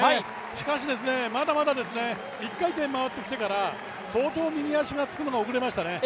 しかし、まだまだ一回転回ってきてから相当、右足がつくのが遅れましたね。